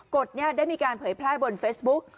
กฎนี้ได้มีการเผยแพร่บนเฟซบุ๊ก